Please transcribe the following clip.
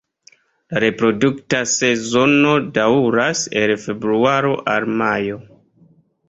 La reprodukta sezono daŭras el februaro al majo.